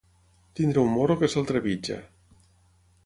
Tenir un morro que se'l trepitja.